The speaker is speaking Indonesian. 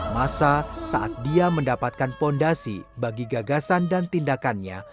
masa saat dia mendapatkan fondasi bagi gagasan dan tindakannya